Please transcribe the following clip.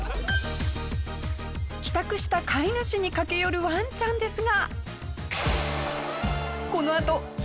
帰宅した飼い主に駆け寄るワンちゃんですが。